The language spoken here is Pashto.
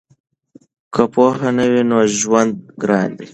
که پوهه نه وي نو ژوند ګران دی.